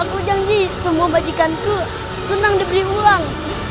aku janji semua majikanku senang diberi uang